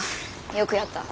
よくやった。